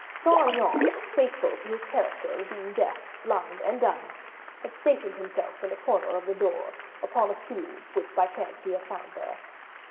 Saint Aignan, faithful to his character of being deaf, blind, and dumb, had stationed himself in a corner of the door, upon a stool which by chance he found there.